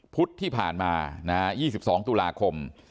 พุธที่ผ่านมา๒๒ตุลาคม